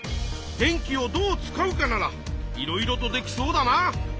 「電気をどう使うか」ならいろいろとできそうだな。